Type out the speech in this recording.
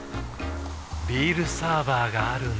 ビールサーバーがある夏。